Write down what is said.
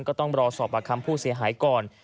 ก็ต้องรอสอบประคำผู้เสียหายก่อน